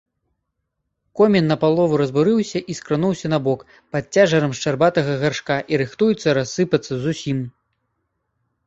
Комін напалову разбурыўся і скрануўся набок пад цяжарам шчарбатага гаршка і рыхтуецца рассыпацца зусім.